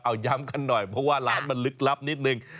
เอาย้ำกันหน่อยเพราะว่าร้านมันลึกลับนิดนึง